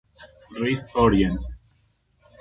Rif Orient.